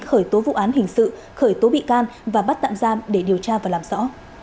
khởi tố vụ án hình sự khởi tố bị can và bắt tạm giam để điều tra và làm rõ